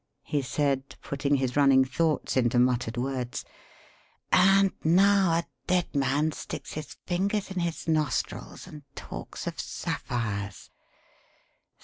he said, putting his running thoughts into muttered words. "And now a dead man sticks his fingers in his nostrils and talks of sapphires.